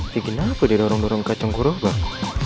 dikin apa di dorong dorong kacung kuruh bang